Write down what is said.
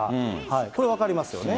これ分かりますよね。